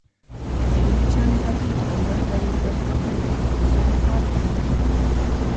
Erietxe honetatik ondoren baieztatu dutenez, gizonezkoa zendu da.